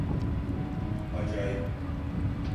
Acayip.